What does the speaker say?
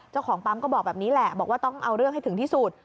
เจ้าของปั๊มก็บอกแบบนี้แหละบอกว่าต้องเอาเรื่องให้ถึงที่สุด